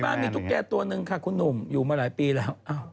บ้านมีตุ๊กแก่ตัวหนึ่งค่ะคุณหนุ่มอยู่มาหลายปีแล้ว